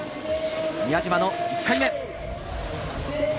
宮嶋の１回目。